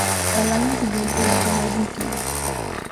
Al año siguiente lanzó el álbum "Killer".